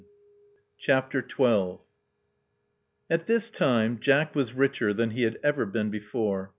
'* CHAPTER XII At this time, Jack was richer than he had ever been before.